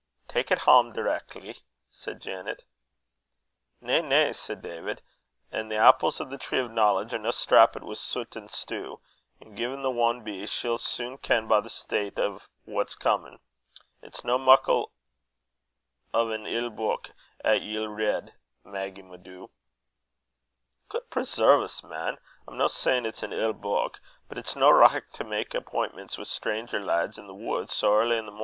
"Tak' it hame direckly," said Janet. "Na, na," said David; "a' the apples o' the tree o' knowledge are no stappit wi sut an stew; an' gin this ane be, she'll sune ken by the taste o't what's comin'. It's no muckle o' an ill beuk 'at ye'll read, Maggy, my doo." "Guid preserve's, man! I'm no sayin' it's an ill beuk. But it's no richt to mak appintments wi' stranger lads i' the wud sae ear' i' the mornin'.